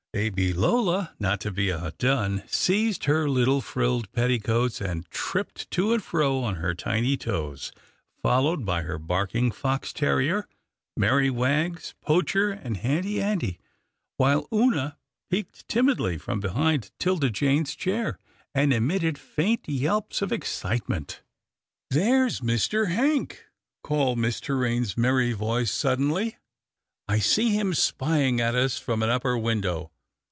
340 'TILDA JANE'S ORPHANS Baby Lola, not to be outdone, seized her Httle frilled petticoats, and tripped to and fro on her tiny toes, followed by her barking fox terrier, Merry Wags, Poacher, and Handy Andy, while Oonah peeped timidly from behind 'Tilda Jane's chair, and emitted faint yelps of excitement. ^'There's Mr. Hank," called Miss Torraine's merry voice suddenly, " I see him spying at us from an upper window.